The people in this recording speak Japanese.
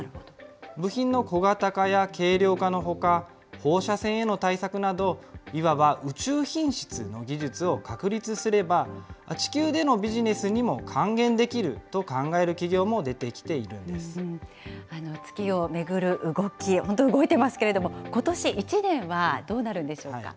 部品の小型化や軽量化のほか、放射線への対策など、いわば宇宙品質の技術を確立すれば、地球でのビジネスにも還元できると考える企業も出てきているんで月を巡る動き、本当、動いてますけれども、ことし１年はどうなるんでしょうか。